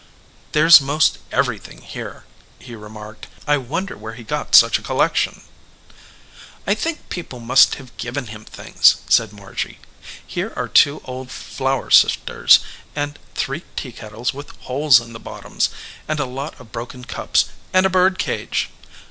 "There s most everything here," he remarked. "I wonder where he got such a collection." "I think people must have given him things," said Margy. "Here are two old flour sifters, and three teakettles with holes in the bottoms, and a lot of broken cups, and a bird cage."